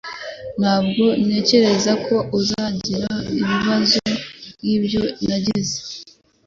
Ntabwo ntekereza ko uzagira ibibazo nkibyo nagize